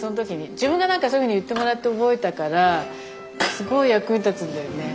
自分がそういうふうに言ってもらって覚えたからすごい役に立つんだよね。